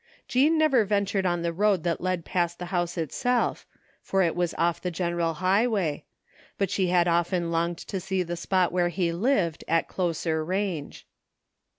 Jean never ventured on the road that led past the house itself, for it was off the general highway; but she had often longed to see the spot where he lived at closer range.